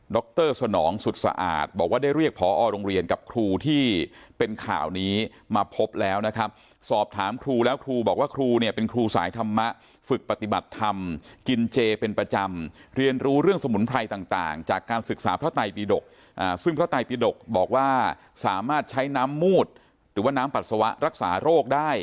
รสนองสุดสะอาดบอกว่าได้เรียกพอโรงเรียนกับครูที่เป็นข่าวนี้มาพบแล้วนะครับสอบถามครูแล้วครูบอกว่าครูเนี่ยเป็นครูสายธรรมะฝึกปฏิบัติธรรมกินเจเป็นประจำเรียนรู้เรื่องสมุนไพรต่างจากการศึกษาพระไตปีดกซึ่งพระไตปีดกบอกว่าสามารถใช้น้ำมูดหรือว่าน้ำปัสสาวะรักษาโรคได้